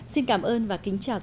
xin cảm ơn và kính chào tạm biệt